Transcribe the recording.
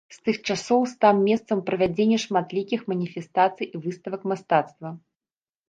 З тых часоў стаў месцам правядзення шматлікіх маніфестацый і выставак мастацтва.